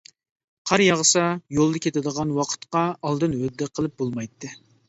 قار ياغسا، يولدا كېتىدىغان ۋاقىتقا ئالدىن ھۆددە قىلىپ بولمايتتى.